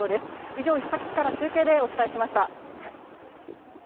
以上、伊勢崎市から中継でお伝えしました。